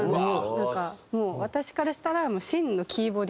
なんかもう私からしたら。